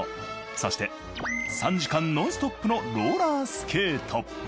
そして３時間ノンストップのローラースケート。